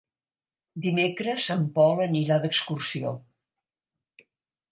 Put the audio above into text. Dimecres en Pol anirà d'excursió.